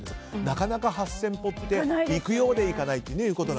なかなか８０００歩いくようでいかないと。